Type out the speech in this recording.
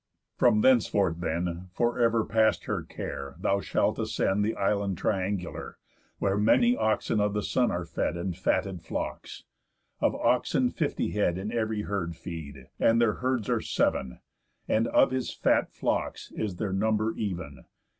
From thenceforth then, for ever past her care, Thou shalt ascend the isle triangular, Where many oxen of the Sun are fed, And fatted flocks. Of oxen fifty head In ev'ry herd feed, and their herds are seven; And of his fat flocks is their number even.